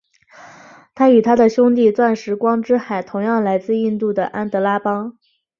它与它的兄弟钻石光之海同样来自印度的安德拉邦。